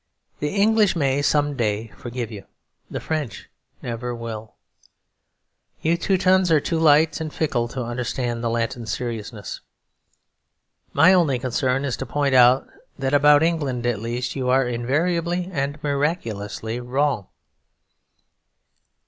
The English may some day forgive you; the French never will. You Teutons are too light and fickle to understand the Latin seriousness. My only concern is to point out that about England, at least, you are invariably and miraculously wrong.